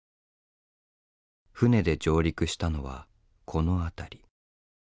船で上陸したのはこの辺り。